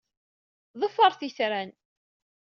Ḍefret itran.